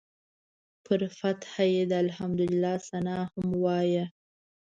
پر فتحه یې د الحمدلله ثناء هم وایه.